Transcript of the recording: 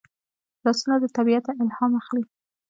لاسونه له طبیعته الهام اخلي